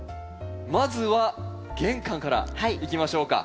まずは玄関からいきましょうか。